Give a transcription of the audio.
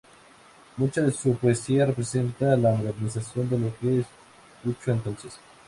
Mucha de su poesía representa la modernización de lo que escuchó entonces.